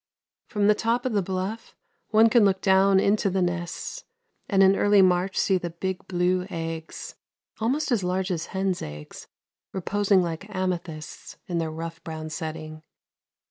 From the top of the bluff one can look down into the nests and in early March see the big blue eggs, almost as large as hens' eggs, reposing like amethysts in their rough brown setting.